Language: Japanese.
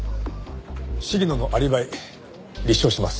鴫野のアリバイ立証します。